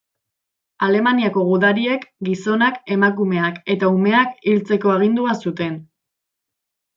Alemaniako gudariek gizonak, emakumeak eta umeak hiltzeko agindua zuten.